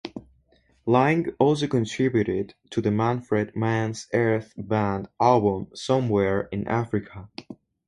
Laing also contributed to the Manfred Mann's Earth Band album "Somewhere in Afrika".